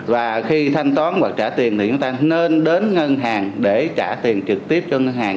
và khi thanh toán hoặc trả tiền thì chúng ta nên đến ngân hàng để trả tiền trực tiếp cho ngân hàng